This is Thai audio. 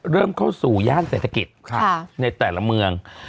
เริ่มเข้าสู่ย่านเศรษฐกิจในแต่ละเมือง